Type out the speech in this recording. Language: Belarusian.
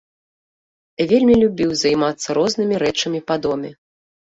Вельмі любіў займацца рознымі рэчамі па доме.